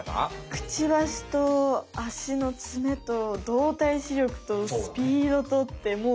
くちばしと足のツメと動体視力とスピードとってもう。